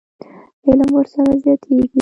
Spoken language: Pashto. علم ورسره زیاتېږي.